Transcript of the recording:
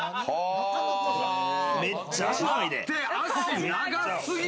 めっちゃ足長いで。